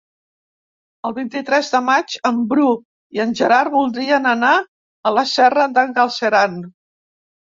El vint-i-tres de maig en Bru i en Gerard voldrien anar a la Serra d'en Galceran.